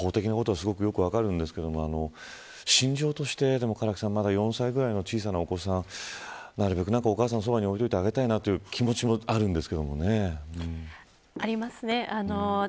法的なことはすごくよく分かるんですが心情として、唐木さん４歳ぐらいの小さなお子さんなるべくお母さんのそばに置いてあげたいという気持ちもありますね。